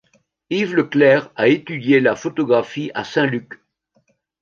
Yves Leclercq a étudié la photographie à Saint-Luc.